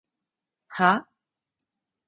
はーーー？